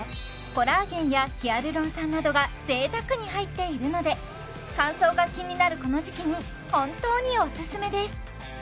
コラーゲンやヒアルロン酸などが贅沢に入っているので乾燥が気になるこの時期に本当におすすめです